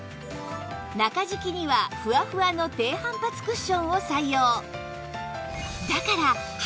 中敷きにはふわふわの低反発クッションを採用